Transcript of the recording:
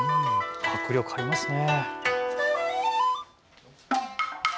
迫力ありますね。